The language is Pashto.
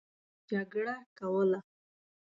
جګړه کوله.